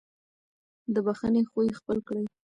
د بښنې خوی خپل کړئ.